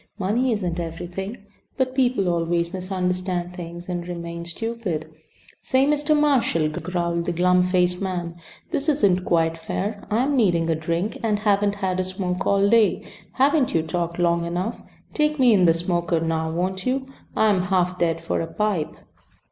Money isn't everything. But people always misunderstand things and remain stupid " "Say, Mr. Marshal," growled the glum faced man. "This isn't quite fair. I'm needing a drink, and haven't had a smoke all day. Haven't you talked long enough? Take me in the smoker now, won't you? I'm half dead for a pipe."